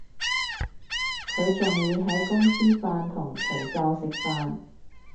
佢仲會喺公司飯堂除罩食飯